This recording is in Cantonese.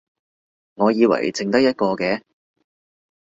我以為剩得一個嘅